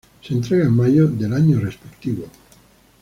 Se entrega en mayo del año respectivo.